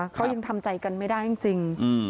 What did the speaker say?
เขายังทำใจกันไม่ได้จริง